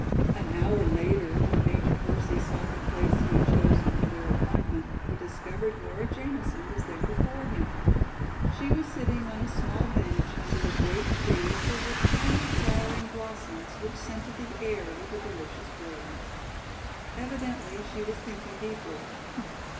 An hour later, when Major Hersey sought the place he had chosen for their appointment, he discovered Nora Jamison was there before him. She was sitting on a small bench under a great tree filled with tiny flowering blossoms which scented the air with a delicious fragrance. Evidently she was thinking deeply.